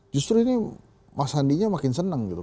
justru ini mas sandinya makin seneng gitu